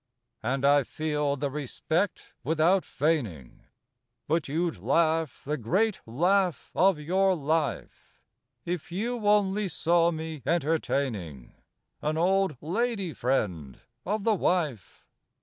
And I feel the respect without feigning But you'd laugh the great laugh of your life If you only saw me entertaining An old lady friend of the wife.